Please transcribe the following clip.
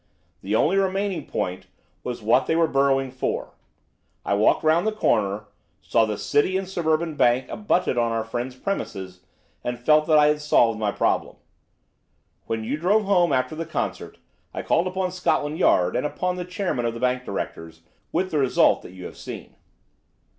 The only remaining point was what they were burrowing for. I walked round the corner, saw the City and Suburban Bank abutted on our friend's premises, and felt that I had solved my problem. When you drove home after the concert I called upon Scotland Yard and upon the chairman of the bank directors, with the result that you have seen."